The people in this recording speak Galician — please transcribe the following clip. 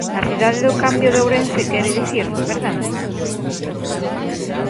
¿Na cidade do cambio de Ourense quere dicir, verdade?